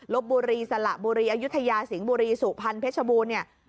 ลบบุรีสระบุรีอยุธยาสิงบุรีสุภัณฑ์เพชรบูรณ์เนี่ย